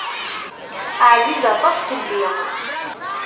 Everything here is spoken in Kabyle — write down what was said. Ɛziz aṭas fell-i.